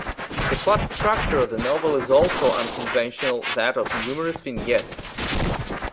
The plot structure of the novel is also unconventional, that of numerous vignettes.